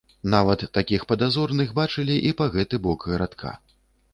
Нават такіх падазроных бачылі і па гэты бок гарадка.